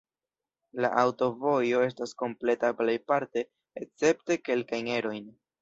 La aŭtovojo estas kompleta plejparte, escepte kelkajn erojn.